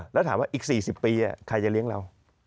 แล้วถามว่าอีก๔๐ปีใครจะเลี้ยงเรา